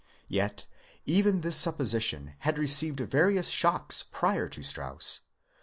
Yet even this supposition had received various shocks prior to Strauss.